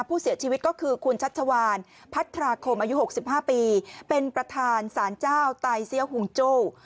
ผู้เสียชีวิตก็คือคุณชัชวานพัฒนาคมอายุ๖๕ปีเป็นประธานสารเจ้าไตเสียหุงโจ้